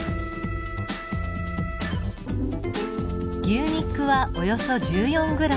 牛肉はおよそ１４ｇ。